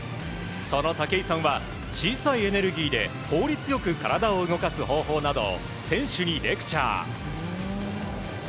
その武井さんは小さいエネルギーで効率よく体を動かす方法など選手にレクチャー。